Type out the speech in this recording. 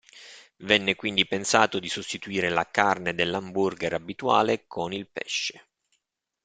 Venne quindi pensato di sostituire la carne dell'hamburger abituale con il pesce.